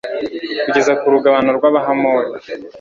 kugeza ku rugabano rw'abahamori